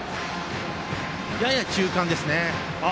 やや中間ですね。